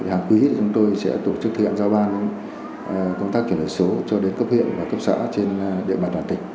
hàng quý thì chúng tôi sẽ tổ chức thực hiện giao ban những công tác chuyển đổi số cho đến cấp huyện và cấp xã trên địa mặt đoàn tỉnh